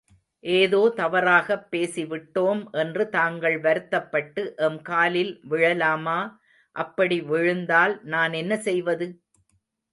ஏதோ, தவறாகப் பேசிவிட்டோம் என்று தாங்கள் வருத்தப்பட்டு, எம் காலில் விழலாமா—அப்படி விழுந்தால், நான் என்ன செய்வது?